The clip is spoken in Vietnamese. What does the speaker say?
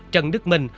trần đức minh